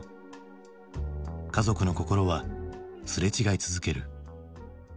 家族の心はすれ違い続ける。